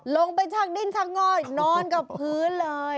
ลงไปชักดิ้นชักงอยนอนกับพื้นเลย